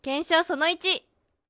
その１。